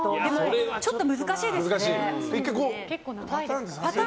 ちょっと難しいですね。